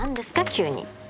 急に。